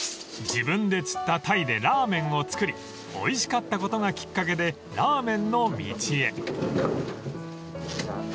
［自分で釣った鯛でラーメンを作りおいしかったことがきっかけでラーメンの道へ］